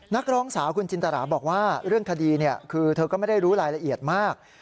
นักร้องสาวคุณจินตราบอกว่าเรื่องคดีคือเธอก็ไม่ได้รู้รายละเอียดมาก